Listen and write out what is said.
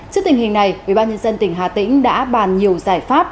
trước tình hình này ubnd tỉnh hà tĩnh đã bàn nhiều giải pháp